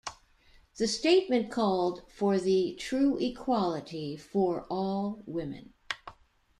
The statement called for "the true equality for all women".